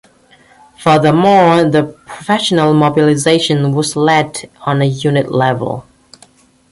Furthermore, the professional mobilization was led on a unit level.